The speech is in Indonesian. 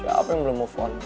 apa yang belum move on